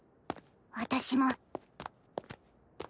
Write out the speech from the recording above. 私も。